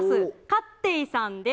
かっていさんです。